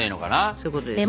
そういうことですね。